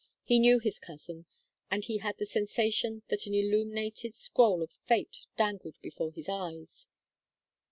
He knew his cousin, and he had the sensation that an illuminated scroll of fate dangled before his eyes.